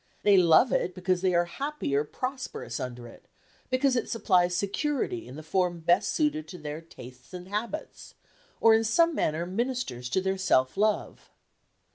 They love it because they are happy or prosperous under it; because it supplies security in the form best suited to their tastes and habits, or in some manner ministers to their self love.